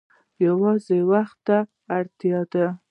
یوازې وخت ته اړتیا ده.